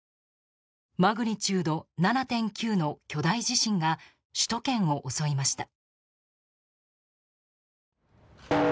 マグニチュード７．９の巨大地震が首都圏を襲いました。